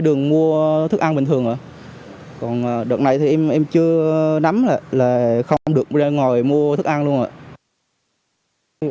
đợt này thì em chưa nắm lại là không được ra ngồi mua thức ăn luôn ạ